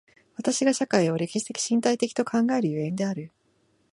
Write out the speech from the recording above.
私が社会を歴史的身体的と考える所以である。